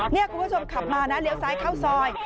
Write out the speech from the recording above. นี่คุณผู้ชมขับมานะเลี้ยวซ้ายเข้าซอย